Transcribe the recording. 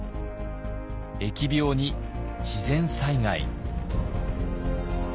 疫病に自然災害。